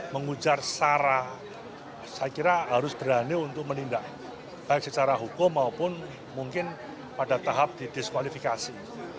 mengujar sarah saya kira harus berani untuk menindak baik secara hukum maupun mungkin pada tahap di diskualifikasi